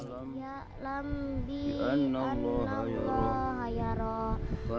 ya'lam bi'anallaha ya roh